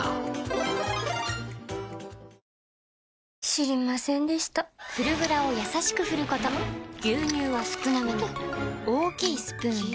知りませんでした「フルグラ」をやさしく振ること牛乳は少なめに大きいスプーンで